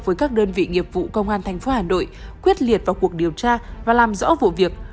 với các đơn vị nghiệp vụ công an tp hà nội quyết liệt vào cuộc điều tra và làm rõ vụ việc